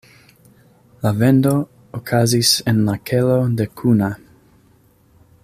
La vendo okazis en la kelo de Kuna.